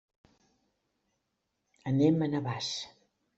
Anem a Navàs.